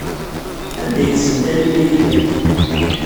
Anda ay tessen Taninna Yidir?